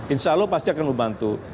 insya allah pasti akan membantu